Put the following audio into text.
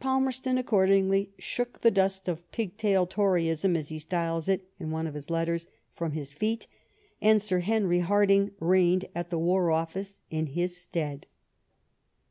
Palmerston accordingly shook the dust of ''pig tail Toryism," as he styles it in one of his letters, from his feet, and Sir Henry Hardinge reigned at the War Office in his stead.